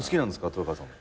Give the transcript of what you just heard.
豊川さんも。